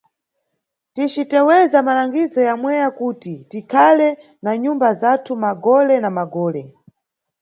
Ticiteweza malangizo yamweya kuti tikhale na nyumba zathu magole na magole.